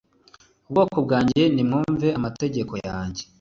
uBwoko bwanjye nimwumve amategeko yanjye